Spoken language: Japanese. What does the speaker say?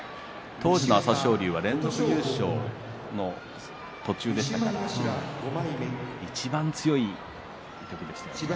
当時の朝青龍は連続優勝の途中でしたからいちばん強い時でしたよね。